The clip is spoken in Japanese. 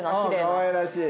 かわいらしい。